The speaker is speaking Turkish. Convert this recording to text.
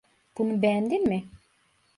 Bunu beğendin mi?